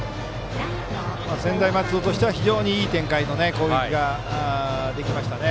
専大松戸としては非常にいい展開の攻撃ができましたね。